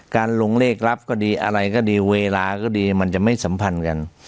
การลงเลขรับก็ดีอะไรก็ดีเวลาก็ดีมันจะไม่สัมพันธ์กัน